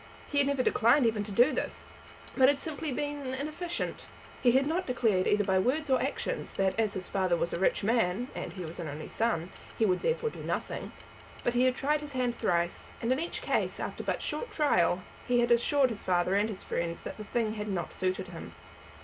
He had never declined even to do this, but had simply been inefficient. He had not declared either by words or actions that as his father was a rich man, and as he was an only son, he would therefore do nothing. But he had tried his hand thrice, and in each case, after but short trial, had assured his father and his friends that the thing had not suited him.